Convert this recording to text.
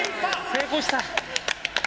成功した。